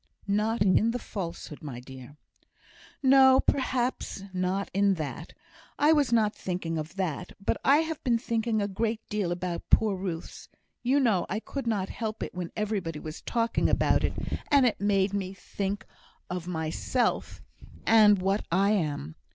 "Not in the falsehood, my dear." "No! not perhaps in that. I was not thinking of that. But I have been thinking a great deal about poor Ruth's you know I could not help it when everybody was talking about it and it made me think of myself, and what I am.